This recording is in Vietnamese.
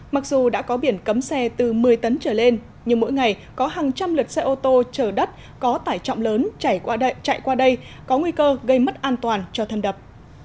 mặc dù đã có biển cấm xe từ một mươi tấn trở lên nhưng mỗi ngày có hàng trăm lượt xe ô tô chở đất có tải trọng lớn chảy qua đệ chạy qua đây có nguy cơ gây mất an toàn cho thân đập